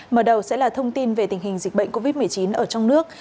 mở đầu sẽ là thông tin về tình hình dịch bệnh covid một mươi chín ở trong nước